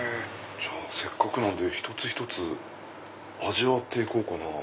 せっかくなんで一つ一つ味わって行こうかな。